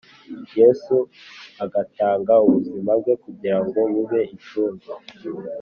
Yesu agatanga ubuzima bwe kugira ngo bube incungu